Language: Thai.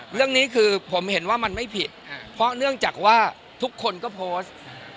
เรื่องนี้คือผมเห็นว่ามันไม่ผิดเพราะเนื่องจากว่าทุกคนก็โพสต์